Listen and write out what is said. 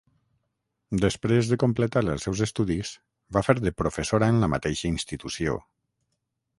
Després de completar els seus estudis, va fer de professora en la mateixa institució.